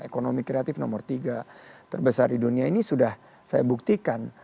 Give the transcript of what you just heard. ekonomi kreatif nomor tiga terbesar di dunia ini sudah saya buktikan